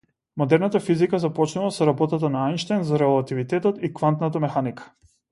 Модерната физика започнува со работата на Ајнштајн за релативитетот и квантната механика.